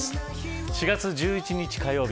４月１１日火曜日